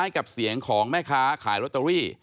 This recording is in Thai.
กับเสียงของแม่ค้าขายลอตเตอรี่